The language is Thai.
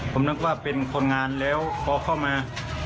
ผมนึกว่าเป็นคนงานแล้วพอเข้ามา